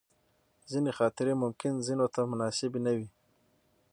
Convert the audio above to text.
ځینې خاطرې ممکن ځینو ته مناسبې نه وي.